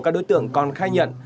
các đối tượng còn khai nhận